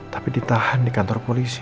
tapi ditahan di kantor polisi